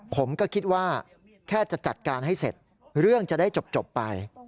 ผมก็คิดว่าแค่จะจัดการให้เสร็จเรื่องจะได้จบไป